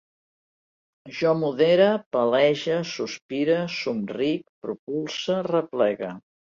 Jo modere, palege, sospire, somric, propulse, replegue